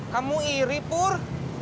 kamu iri pur